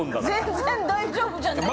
全然大丈夫じゃないじゃん。